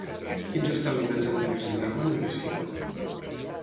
Quins establiments han de presentar Comunicació?